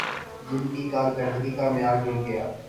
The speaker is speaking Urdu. جن کی کارکردگی کا معیار گرگیا